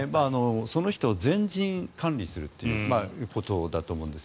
その人を全人管理するということだと思うんです。